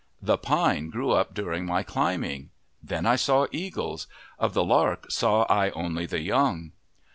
The pine grew up during my climbing. Then I saw eagles. Of the lark saw I only the young."